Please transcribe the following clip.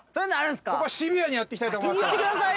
ここはシビアにやっていきたいと思いますから。